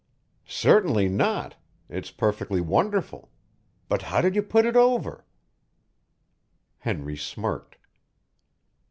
"Certainly not. It's perfectly wonderful. But how did you put it over?" Henry smirked.